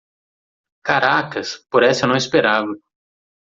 Caracas! Por essa, eu não esperava!